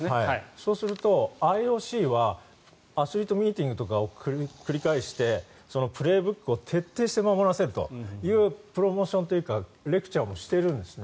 そうすると、ＩＯＣはアスリートミーティングとかを繰り返して「プレーブック」を徹底して守らせるというプロモーションというかレクチャーもしているんですね。